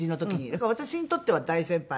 やっぱり私にとっては大先輩。